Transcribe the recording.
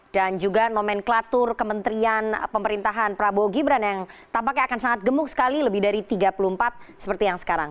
dan juga nomenklatur kementerian pemerintahan prabowo gibran yang tampaknya akan sangat gemuk sekali lebih dari tiga puluh empat seperti yang sekarang